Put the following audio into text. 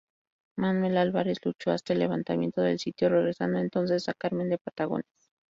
Manuel Álvarez luchó hasta el levantamiento del sitio, regresando entonces a Carmen de Patagones.